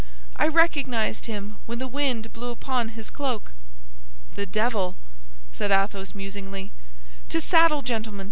I recognized him when the wind blew upon his cloak." "The devil!" said Athos, musingly. "To saddle, gentlemen!